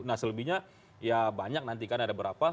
nah selebihnya ya banyak nanti kan ada berapa